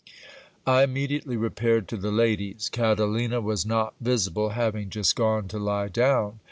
I immediately repaired to the ladies. Catalina was not visible, having just gone to lie down.